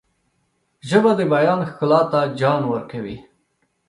ژبه د بیان ښکلا ته جان ورکوي